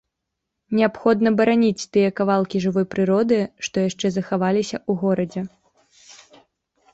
Неабходна бараніць тыя кавалкі жывой прыроды, што яшчэ захаваліся ў горадзе.